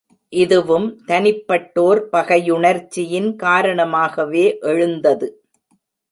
இதுவும் தனிப்பட்டோர் பகையுணர்ச்சியின் காரணமாகவே எழுந்தது.